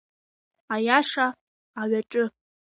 Аиаша аҩаҿы.